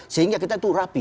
sehingga kita itu rapi